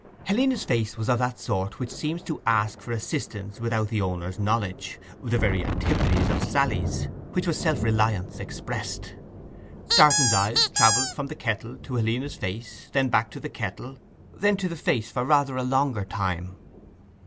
Helena's face was of that sort which seems to ask for assistance without the owner's knowledge—the very antipodes of Sally's, which was self reliance expressed. Darton's eyes travelled from the kettle to Helena's face, then back to the kettle, then to the face for rather a longer time.